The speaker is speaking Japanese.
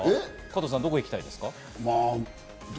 加藤さん、どこ行きたいですか？